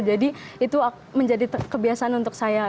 jadi itu menjadi kebiasaan untuk saya